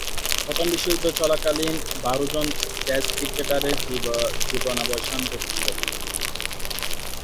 প্রথম বিশ্বযুদ্ধ চলাকালীন বারোজন টেস্ট ক্রিকেটারের জীবনাবসান ঘটেছিল।